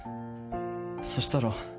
そしたら。